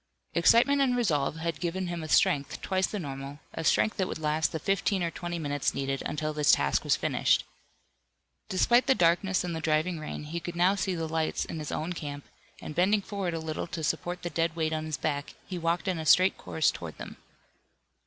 Excitement and resolve had given him a strength twice the normal, a strength that would last the fifteen or twenty minutes needed until this task was finished. Despite the darkness and the driving rain, he could now see the lights in his own camp, and bending forward a little to support the dead weight on his back, he walked in a straight course toward them.